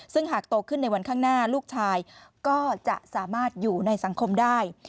ซึ่งหากโตขึ้นในวันข้างหน้าลูกชายก็จะสามารถอยู่ในสังคมได้